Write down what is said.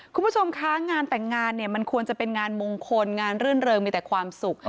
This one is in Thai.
คุณผู้ชมคะงานแต่งงานเนี่ยมันควรจะเป็นงานมงคลงานรื่นเริงมีแต่ความสุข